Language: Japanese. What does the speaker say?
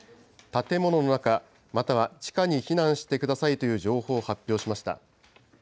建物の中、または地下に避難してくださいという情報を発表しました。